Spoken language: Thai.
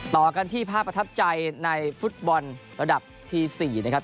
ต่อกันที่ภาพประทับใจในฟุตบอลระดับที่๔นะครับ